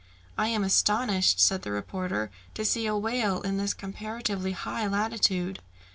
"I am astonished," said the reporter, "to see a whale in this comparatively high latitude."